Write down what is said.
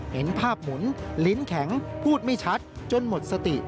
เห็นภาพหมุนลิ้นแข็งพูดไม่ชัดจนหมดสติ